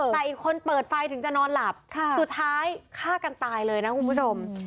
แต่อีกคนเปิดไฟถึงจะนอนหลับสุดท้ายฆ่ากันตายเลยนะคุณผู้ชม